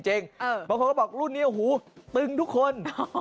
บางคนก็บอกรุ่นนี้โอ้โหตึงทุกคน